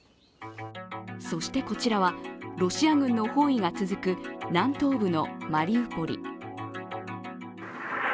そして、こちらはロシア軍の包囲が続く南東部のマリウポリ。